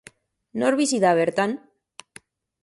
Nor bizi da bertan?